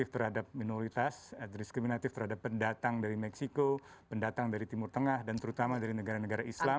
terhadap minoritas diskriminatif terhadap pendatang dari meksiko pendatang dari timur tengah dan terutama dari negara negara islam